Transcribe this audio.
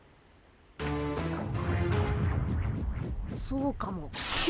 そうかも。